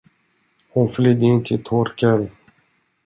Hon flydde in till Torkel.